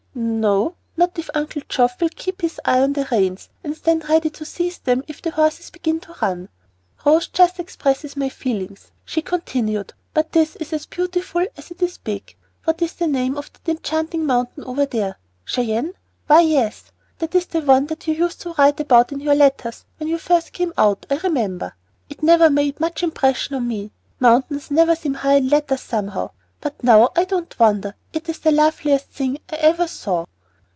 "N o; not if Uncle Geoff will keep his eye on the reins and stand ready to seize them if the horses begin to run. Rose just expresses my feelings," she continued; "but this is as beautiful as it is big. What is the name of that enchanting mountain over there, Cheyenne? Why, yes, that is the one that you used to write about in your letters when you first came out, I remember. It never made much impression on me, mountains never seem high in letters, somehow, but now I don't wonder. It's the loveliest thing I ever saw."